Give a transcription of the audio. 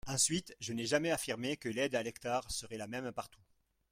Ensuite, je n’ai jamais affirmé que l’aide à l’hectare serait la même partout.